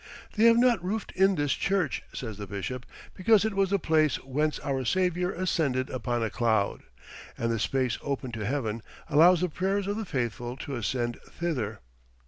"They have not roofed in this church," says the bishop, "because it was the place whence our Saviour ascended upon a cloud, and the space open to heaven allows the prayers of the faithful to ascend thither.